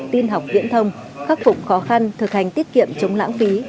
tin học viễn thông khắc phục khó khăn thực hành tiết kiệm chống lãng phí